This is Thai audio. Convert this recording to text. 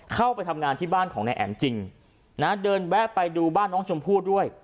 เข้าไปทำงานที่บ้านของนายแอ๋มจริงนะเดินแวะไปดูบ้านน้องชมพู่ด้วย